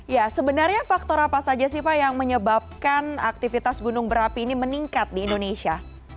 ya sebenarnya faktor apa saja sih pak yang menyebabkan aktivitas gunung berapi ini meningkat di indonesia